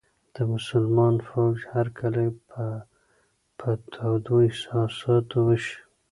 د مسلمان فوج هرکلی به په تودو احساساتو وشي.